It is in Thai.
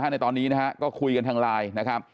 ในตอนนี้นะฮะก็คุยกันทางไลน์นะครับ